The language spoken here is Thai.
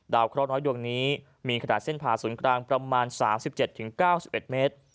เคราะห์น้อยดวงนี้มีขนาดเส้นผ่าศูนย์กลางประมาณ๓๗๙๑เมตร